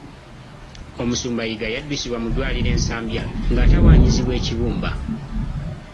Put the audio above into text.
Omusumba Yiga yaddusibwa mu ddwaliro e Nsambya ng'atawaanyizibwa ekibumba.